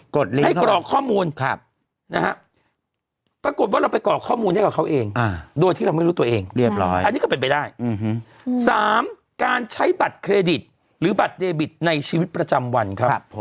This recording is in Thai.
กดลิงก์เข้ามาค่ะปรากฏว่าเราไปกรอกข้อมูลให้กับเขาเองโดยที่เราไม่รู้ตัวเองอันนี้ก็เป็นไปได้สามการใช้บัตรเครดิตหรือบัตรเจบิตในชีวิตประจำวันครับ